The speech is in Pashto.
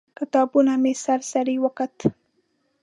کتابتون مې سر سري وکت.